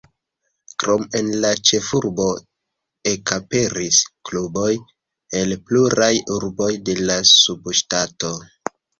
Krom en la ĉefurbo ekaperis kluboj en pluraj urboj de la subŝtato.